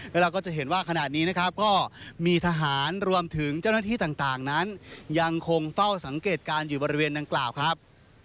แล้วเราก็จะเห็นว่าขณะนี้นะครับก็มีทหารรวมถึงเจ้าหน้าที่ต่างนั้นยังคงเฝ้าสังเกตการณ์อยู่บริเวณดังกล่าวครับ